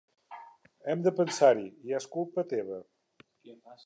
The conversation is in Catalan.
Hem de pensar-hi i és culpa teva.